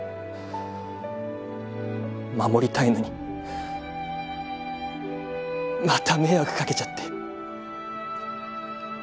守りたいのにまた迷惑かけちゃって。